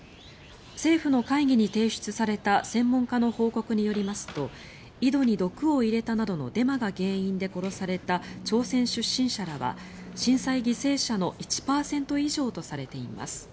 政府の会議に提出された専門家の報告によりますと井戸に毒を入れたなどのデマが原因で殺された朝鮮出身者らは震災犠牲者の１％以上とされています。